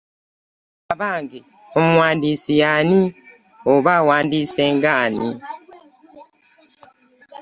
Alage omuwandiisi y’ani oba awandiise ng'ani.